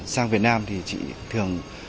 sang việt nam thì chị thường